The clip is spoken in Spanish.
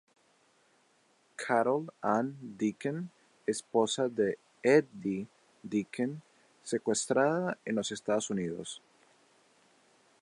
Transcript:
Carol-Ann Deakin: esposa de Eddie Deakin, secuestrada en los Estados Unidos.